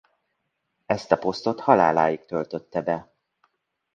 Ezt a posztot haláláig töltötte be.